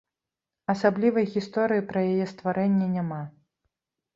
Асаблівай гісторыі пра яе стварэнне няма.